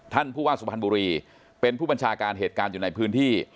ท่านผู้ว่าสุพรรณบุรีเป็นผู้บัญชาการเหตุการณ์อยู่ในพื้นที่